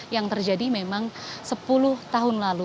yang terjadi memang sepuluh tahun lalu